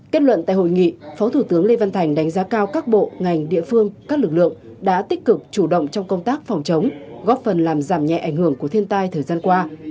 kết luận tại hội nghị phó thủ tướng lê văn thành đánh giá cao các bộ ngành địa phương các lực lượng đã tích cực chủ động trong công tác phòng chống góp phần làm giảm nhẹ ảnh hưởng của thiên tai thời gian qua